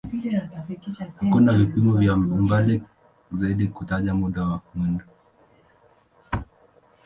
Hakuna vipimo vya umbali zaidi ya kutaja muda wa mwendo.